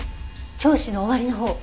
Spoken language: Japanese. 聴取の終わりのほう。